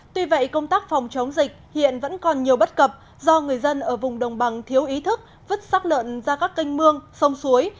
tuy vậy công tác phòng chống dịch hiện vẫn còn nhiều bất cập do người dân ở vùng đồng bằng thiếu ý thức vứt sắc lợn ra các kênh mương sông suối